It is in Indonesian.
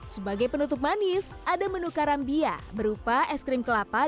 sebagai penutup manis ada menu karambia berupa es krim kelapa dan kacang panjang